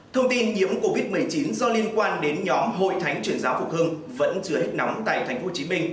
thông tin nhiễm covid một mươi chín do liên quan đến nhóm hội thánh chuyển giáo phục hưng vẫn dưới hết nóng tại tp hcm